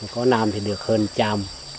con năm thì được hơn trăm